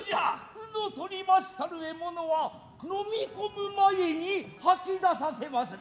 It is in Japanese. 鵜の獲りましたる獲物は飲み込む前にはき出させまする。